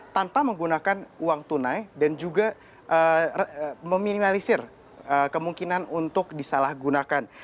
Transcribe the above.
tanpa menggunakan uang tunai dan juga meminimalisir kemungkinan untuk disalahgunakan